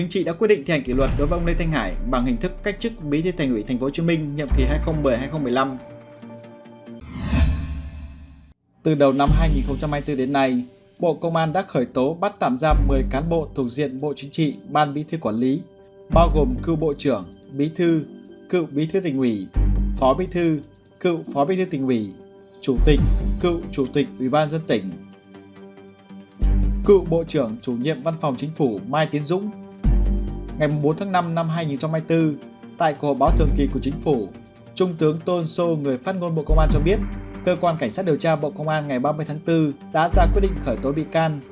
cơ quan cảnh sát điều tra bộ công an ngày ba mươi tháng bốn đã ra quyết định khởi tối bị can